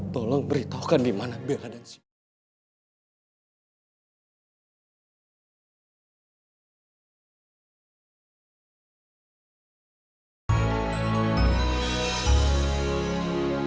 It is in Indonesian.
tolong beritahukan di mana bella dan sifat